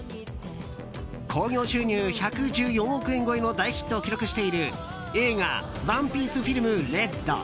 興行収入１１４億円超えの大ヒットを記録している映画「ＯＮＥＰＩＥＣＥＦＩＬＭＲＥＤ」。